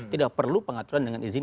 tidak perlu pengaturan dengan izin